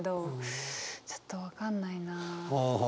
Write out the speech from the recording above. ちょっと分かんないな。